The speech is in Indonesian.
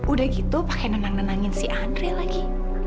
udah gitu pakai nenang nenangin si andre lagi